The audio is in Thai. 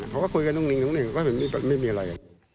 เขาก็คุยกันตรงนี้ตรงนี้ก็ไม่มีอะไร